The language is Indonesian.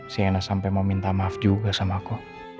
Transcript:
si ena sampe mau minta maaf juga sama aku